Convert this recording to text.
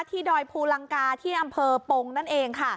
ดอยภูลังกาที่อำเภอปงนั่นเองค่ะ